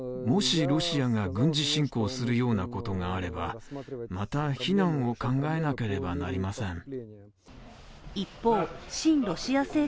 もしロシアが軍事侵攻するような事があればまた避難を考えなければなりません。